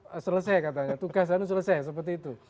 ya selesai katanya tugasannya selesai seperti itu